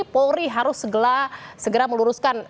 polri harus segera meluruskan